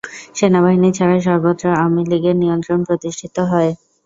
সেনাবাহিনী ছাড়া সর্বত্র আওয়ামী লীগের নিয়ন্ত্রণ প্রতিষ্ঠিত হয়।